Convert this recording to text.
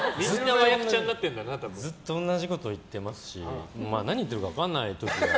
ずっと同じこと言ってますし何言ってるか分かんない時は。